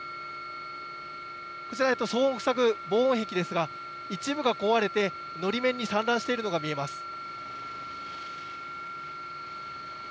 こちら、騒音を塞ぐ防音壁ですが、一部が壊れて、のり面に散乱しているのが見えます。